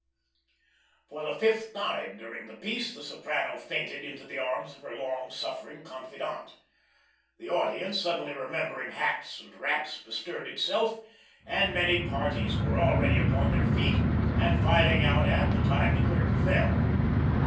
For the fifth time during the piece the soprano fainted into the arms of her long suffering confidante. The audience, suddenly remembering hats and wraps, bestirred itself, and many parties were already upon their feet and filing out at the time the curtain fell.